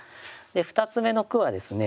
２つ目の句はですね